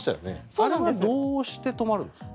あれはどうして止まるんですか？